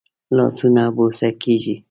لاسونه بوسه کېږي